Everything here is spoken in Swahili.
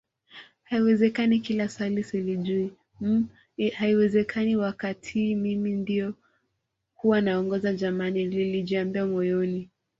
Haiwezekani kila swali silijui mmh haiwezekani wakatii Mimi ndio huwa naongoza jamani nilijiambia moyoni